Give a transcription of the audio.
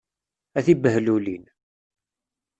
A tibehlulin!